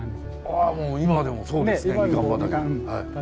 あもう今でもそうですねみかん畑。